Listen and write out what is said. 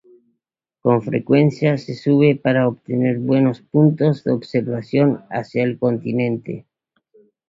Con frecuencia se sube para obtener buenos puntos de observación hacia el continente.